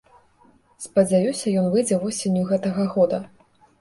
Спадзяюся, ён выйдзе восенню гэтага года.